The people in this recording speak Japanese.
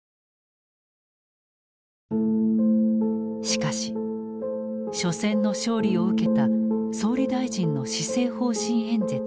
しかし緒戦の勝利を受けた総理大臣の施政方針演説では。